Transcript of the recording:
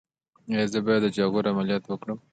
ایا زه باید د جاغور عملیات وکړم؟